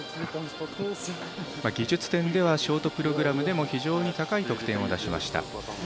技術点ではショートプログラムでも非常に高い得点を出しました。